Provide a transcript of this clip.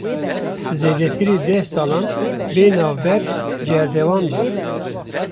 Zêdetirî deh salan, bê navber cerdevan bû